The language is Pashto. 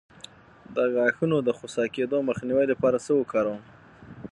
د غاښونو د خوسا کیدو مخنیوي لپاره څه وکاروم؟